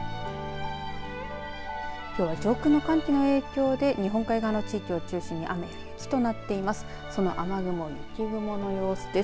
きょうは上空の寒気の影響で日本海側の地域を中心に雨や雪となっています。